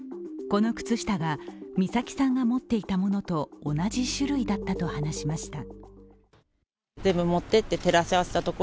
この靴下が美咲さんが持っていたものと同じ種類だったと話しました。